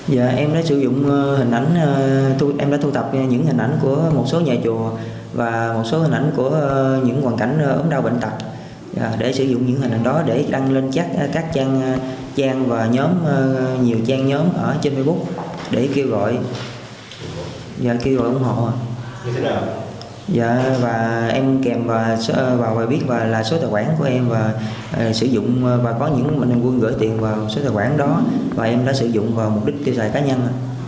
và có những bệnh nhân quân gửi tiền vào số tài khoản đó và em đã sử dụng vào mục đích tiêu tài cá nhân